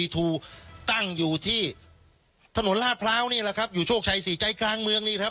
ถูกตั้งอยู่ที่ถนนลาดพร้าวนี่แหละครับอยู่โชคชัยสี่ใจกลางเมืองนี่นะครับ